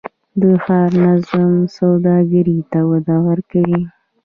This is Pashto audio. د ښار نظم سوداګرۍ ته وده ورکوي؟